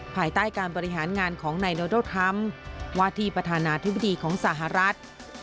ภายใต้การบริหารงานของนายโนโดนัลดทรัมป์ว่าที่ประธานาธิบดีของสหรัฐ